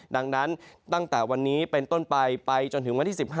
ดังนั้นตั้งแต่วันนี้เป็นต้นไปไปจนถึงวันที่๑๕